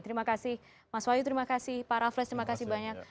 terima kasih mas wahyu terima kasih pak raffles terima kasih banyak